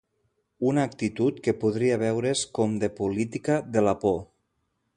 Una actitud que podria veure's com de política de la por.